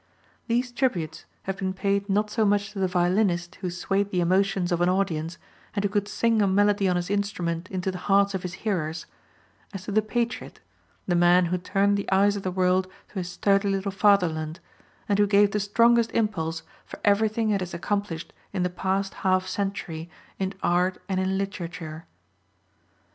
These tributes have been paid not so much to the violinist who swayed the emotions of an audience and who could sing a melody on his instrument into the hearts of his hearers, as to the patriot, the man who turned the eyes of the world to his sturdy little fatherland, and who gave the strongest impulse for everything it has accomplished in the past half century in art and in literature.